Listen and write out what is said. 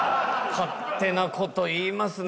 勝手なこと言いますね